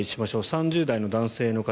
３０代の男性の方